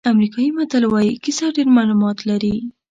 امریکایي متل وایي کیسه ډېر معلومات لري.